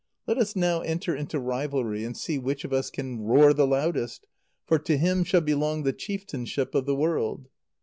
Let us now enter into rivalry, and see which of us can roar the loudest; for to him shall belong the chieftainship of the world."